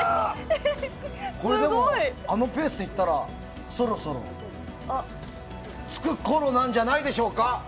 でも、あのペースでいったらそろそろ着くころなんじゃないでしょうか。